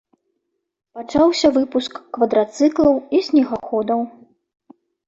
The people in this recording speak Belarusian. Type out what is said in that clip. Пачаўся выпуск квадрацыклаў і снегаходаў.